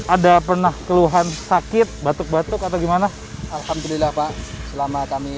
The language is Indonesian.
ada pernah keluhan sakit batuk batuk atau gimana alhamdulillah pak selama kami